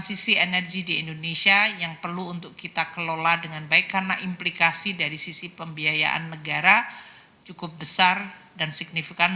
sisi energi di indonesia yang perlu untuk kita kelola dengan baik karena implikasi dari sisi pembiayaan negara cukup besar dan signifikan